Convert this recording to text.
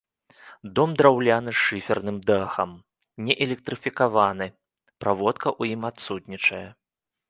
Дом драўляны з шыферным дахам, не электрыфікаваны, праводка ў ім адсутнічае.